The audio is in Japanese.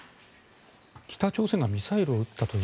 北朝鮮がミサイルを撃ったという。